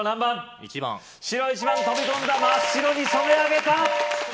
１番白１番に飛び込んだ真っ白に染め上げた！